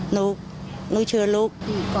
หนูเชื่อลูก